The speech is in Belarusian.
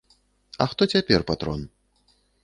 А хто цяпер патрон?